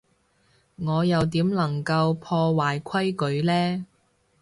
我又點能夠破壞規矩呢？